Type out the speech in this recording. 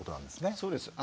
そうです。